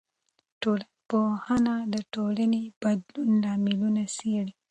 ټولنپوهنه د ټولنې د بدلون لاملونه څېړي.